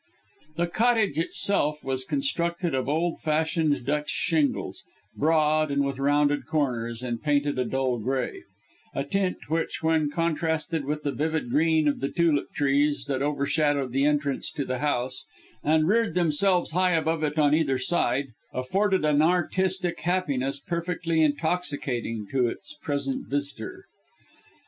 The cottage itself was constructed of old fashioned Dutch shingles broad and with rounded corners and painted a dull grey; a tint which, when contrasted with the vivid green of the tulip trees that overshadowed the entrance to the house, and reared themselves high above it on either side, afforded an artistic happiness perfectly intoxicating to its present visitor.